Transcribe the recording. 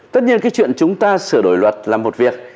tất nhiên cái chuyện chúng ta sửa đổi luật là một việc